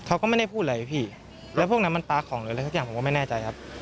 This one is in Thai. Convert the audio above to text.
เขาก็ไม่ได้พูดอะไรพี่แล้วพวกนั้นมันปลาของหรืออะไรสักอย่างผมก็ไม่แน่ใจครับ